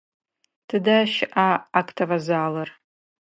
Тыдэ щыӏа актовэ залыр?